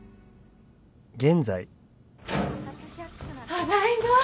ただいま。